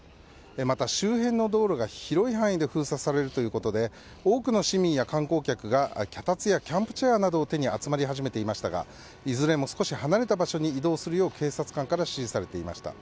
また、周辺の道路が広い範囲で封鎖されるということで多くの市民や観光客が脚立やキャンプチェアなどを手に集まり始めていましたがいずれも少し離れた場所に移動するよう警察官から指示されていました。